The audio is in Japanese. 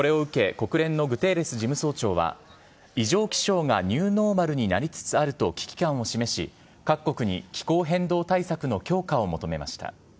国連のグテーレス事務総長は異常気象がニューノーマルになりつつあると危機感を示し各国に気候変動対策の強化を求めました。